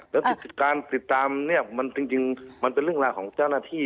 แล้วการติดตามเนี่ยมันจริงมันเป็นเรื่องราวของเจ้าหน้าที่